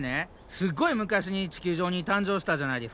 すっごい昔に地球上に誕生したじゃないですか。